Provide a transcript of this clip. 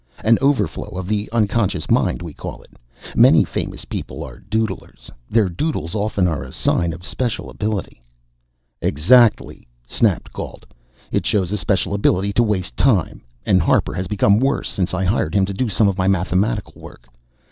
An overflow of the unconscious mind, we call it. Many famous people are 'doodlers.' Their doodles often are a sign of special ability " "Exactly!" snapped Gault. "It shows a special ability to waste time. And Harper has become worse since I hired him to do some of my mathematical work.